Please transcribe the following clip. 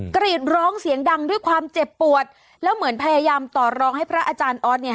กรีดร้องเสียงดังด้วยความเจ็บปวดแล้วเหมือนพยายามต่อรองให้พระอาจารย์ออสเนี่ย